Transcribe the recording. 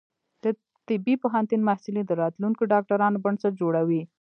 د طبی پوهنتون محصلین د راتلونکي ډاکټرانو بنسټ جوړوي.